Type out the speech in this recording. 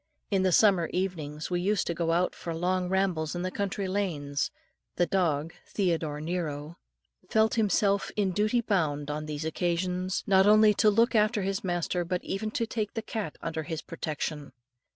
In the summer evenings, we used to go out for long rambles in the country lanes. The dog Theodore Nero felt himself in duty bound on these occasions, not only to look after his master, but even to take the cat under his protection.